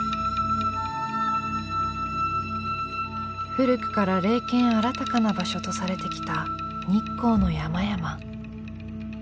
古くから霊験あらたかな場所とされてきた日光の山々。